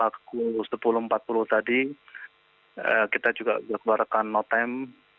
sepuluh empat puluh tadi kita juga mengeluarkan notem